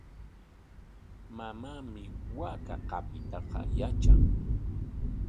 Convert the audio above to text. Mamaami waaka qapiytaqa yatran.